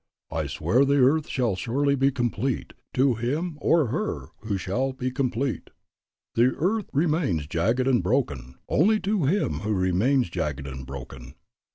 "I swear the earth shall surely be complete To him or her who shall be complete; The earth remains jagged and broken Only to him who remains jagged and broken."